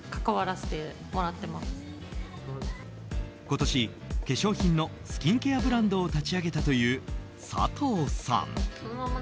今年、化粧品のスキンケアブランドを立ち上げたという佐藤さん。